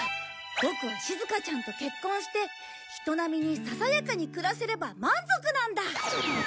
ボクはしずかちゃんと結婚して人並みにささやかに暮らせれば満足なんだ！